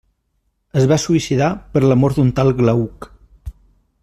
Es va suïcidar per l'amor d'un tal Glauc.